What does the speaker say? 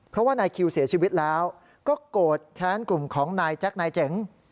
เพราะว่านายคิวเสียชีวิตแล้วก็โกรธแค้นกลุ่มของนายแจ็คนายเจ๋ง